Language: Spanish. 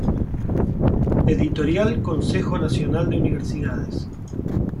Editorial Consejo Nacional de Universidades.